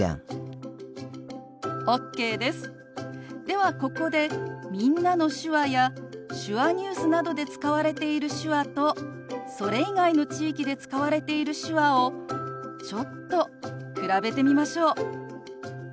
ではここで「みんなの手話」や「手話ニュース」などで使われている手話とそれ以外の地域で使われている手話をちょっと比べてみましょう。